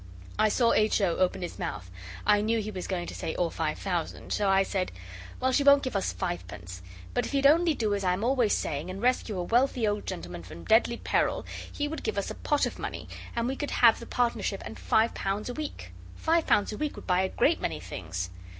I saw H. O. open his mouth, and I knew he was going to say, 'Or five thousand,' so I said 'Well, she won't give us fivepence, but if you'd only do as I am always saying, and rescue a wealthy old gentleman from deadly peril he would give us a pot of money, and we could have the partnership and five pounds a week. Five pounds a week would buy a great many things.